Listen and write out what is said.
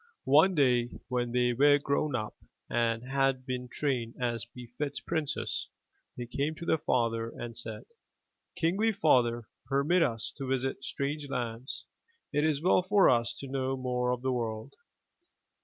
One day when they were grown up and had been trained as befits princes, they came to their father and said: '^Kingly father, permit us to visit strange lands. It is well for us to know more of the world.'